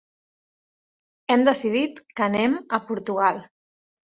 Hem decidit que anem a Portugal.